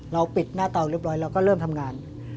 ปิดหน้าเตาเรียบร้อยเราก็เริ่มทำงาน